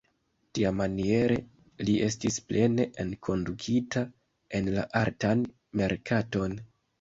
Tiamaniere li estis plene enkondukita en la artan merkaton.